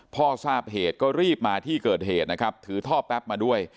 พ่อทราบเหตุก็รีบมาที่เกิดเหตุนะครับถือท่อแป๊บมาด้วย